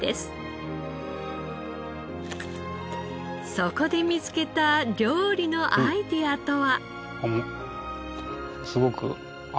そこで見つけた料理のアイデアとは？